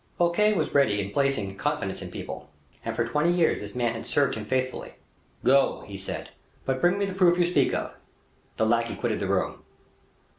Fouquet was ready in placing confidence in people, and for twenty years this man had served him faithfully. "Go," he said; "but bring me the proof you speak of." The lackey quitted the room.